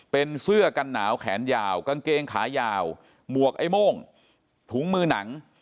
เป็นเสื้อกันหนาวแขนยาวกางเกงขายาวหมวกไอ้โม่งถุงมือหนัง